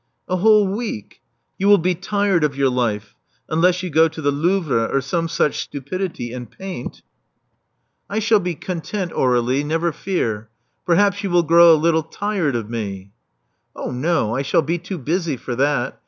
A whole week. You will be tired of your life, unless you go to the Louvre or some such stupidity, and paint." Love Among the Artists 361 I shall be content, Aurdlie, never fear. Perhaps you will grow a little tired of me." Oh no. I shall be too busy for that.